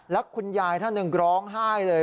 แล้วคุณยายท่านหนึ่งร้องไห้เลย